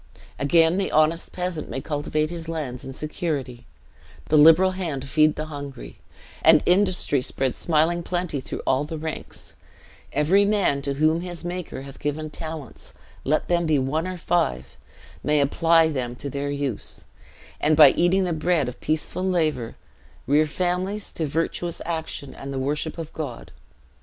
Again the honest peasant may cultivate his lands in security, the liberal hand feed the hungry, and industry spread smiling plenty through all ranks; every man to whom his Maker hath given talents, let them be one or five, may apply them to their use; and, by eating the bread of peaceful labor, rear families to virtuous action and the worship of God.